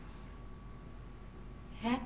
え？